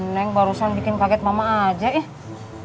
neng barusan bikin kaget mama aja ya